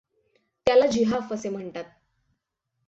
त्याला ज़िहाफ असे म्हणतात.